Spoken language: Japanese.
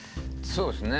そうですね。